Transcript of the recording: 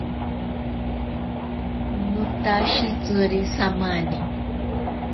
Notashitsiri samani.